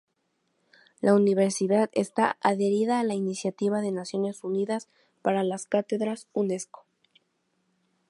La universidad está adherida a la iniciativa de Naciones Unidas para las cátedras Unesco.